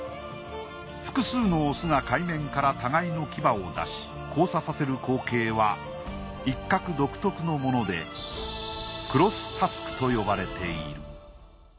複数のオスが海面から互いの牙を出し交差させる光景はイッカク独特のものでクロスタスクと呼ばれている。